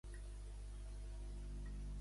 Què va ocórrer durant la dictadura de Franco?